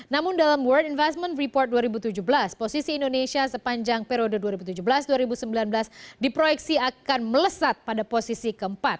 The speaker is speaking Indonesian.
namun dalam world investment report dua ribu tujuh belas posisi indonesia sepanjang periode dua ribu tujuh belas dua ribu sembilan belas diproyeksi akan melesat pada posisi keempat